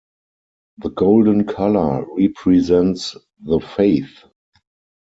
The golden color represents the faith.